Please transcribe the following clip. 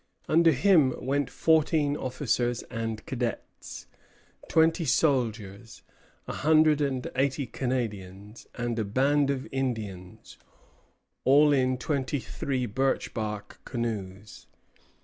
Under him went fourteen officers and cadets, twenty soldiers, a hundred and eighty Canadians, and a band of Indians, all in twenty three birch bark canoes.